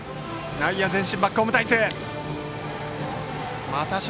内野は前進バックホーム態勢。